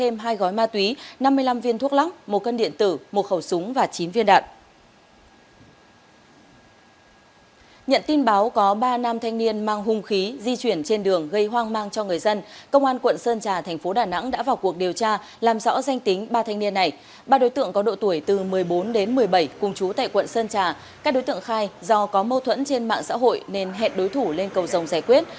mâu thuẫn trên mạng xã hội nên hẹn đối thủ lên cầu dòng giải quyết